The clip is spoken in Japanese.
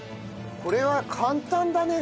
これは簡単だね。